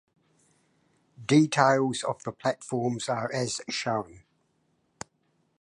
Details of the platforms are as shown.